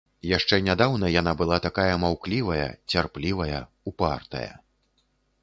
Яшчэ нядаўна яна была такая маўклівая, цярплівая, упартая.